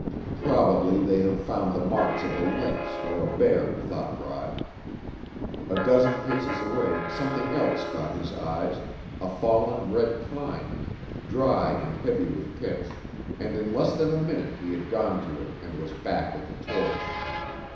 Probably they have found the marks of a lynx or a bear, thought Rod. A dozen paces away something else caught his eyes, a fallen red pine, dry and heavy with pitch, and in less than a minute he had gone to it and was back with a torch.